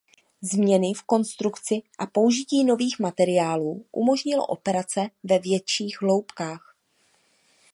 Změny v konstrukci a použití nových materiálů umožnilo operace ve větších hloubkách.